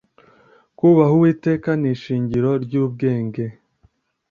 kubaha uwiteka ni ishingiro ry'ubwenge